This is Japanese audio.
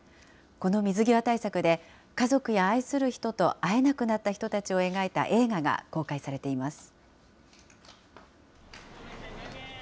この水際対策で、家族や愛する人と会えなくなった人たちを描いた映画が公開されています。